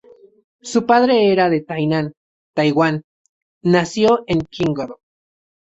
Su padre era de Tainan, Taiwán; nació en Qingdao.